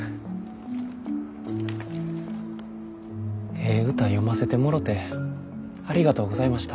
ええ歌読ませてもろてありがとうございました。